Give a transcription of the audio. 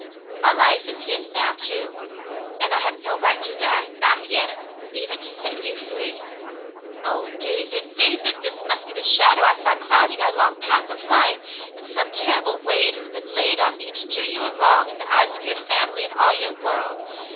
My life is his now, too, and I have no right to die, not yet, even to set you free. "Oh, David, David ! This must be the shadow I saw clouding our long path of light. In some terrible way it has been laid on me to do you a wrong in the eyes of your family and all your world.